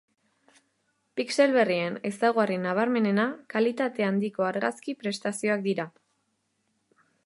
Pixel berrien ezaugarri nabarmenena kalitate handiko argazki-prestazioak dira.